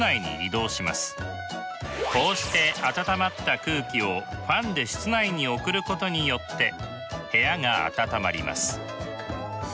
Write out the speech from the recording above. こうして暖まった空気をファンで室内に送ることによって部屋が暖まります。